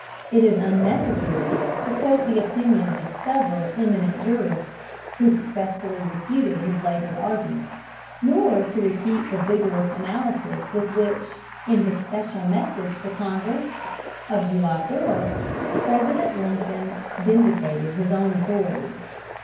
It is unnecessary here to quote the opinions of several eminent jurists who successfully refuted his labored argument, nor to repeat the vigorous analysis with which, in his special message to Congress of July 4, President Lincoln vindicated his own authority.